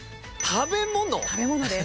食べ物です。